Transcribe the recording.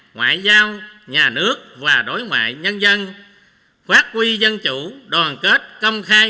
ngoại giao nhà nước và đối ngoại nhân dân phát huy dân chủ đoàn kết công khai